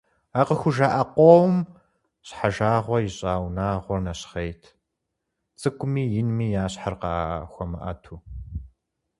А къыхужаӀэ къомым щхьэжагъуэ ищӀа унагъуэр нэщхъейт, цӀыкӀуми инми я щхьэр къахуэмыӀэту.